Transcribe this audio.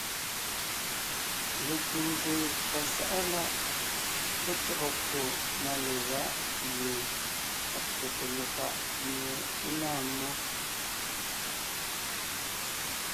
Lekẅiŋte pasáʼa láʼ pɔ́ tÿɔgɔ kwò na legáʼ gẅie à tsóte mefàʼ mie é náa mmó,